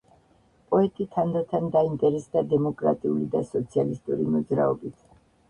პოეტი თანდათან დაინტერესდა დემოკრატიული და სოციალისტური მოძრაობით.